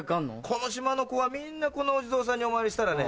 この島の子はみんなこのお地蔵さんにお参りしたらね